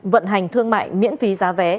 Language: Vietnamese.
vận hành thương mại miễn phí giá vé